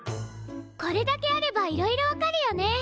これだけあればいろいろわかるよね。